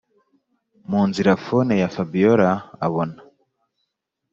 munzira phone ya fabiora abona